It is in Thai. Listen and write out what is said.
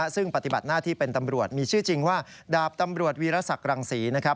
ซึ่งปฏิบัติหน้าที่เป็นตำรวจมีชื่อจริงว่าดาบตำรวจวีรศักดิ์รังศรีนะครับ